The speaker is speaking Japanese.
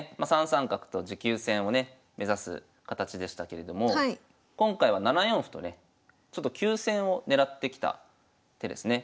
３三角と持久戦をね目指す形でしたけれども今回は７四歩とねちょっと急戦を狙ってきた手ですね。